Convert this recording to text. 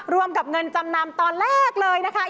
รวมกับเงินจำนำตอนแรกเลยนะคะ